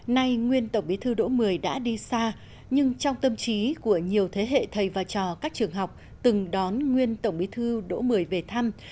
nay nguyên tổng bí thư đỗ mười đã đi xa nhưng trong tâm trí của nhiều thế hệ thầy và trò các trường học từng đón nguyên tổng bí thư đỗ mười về thăm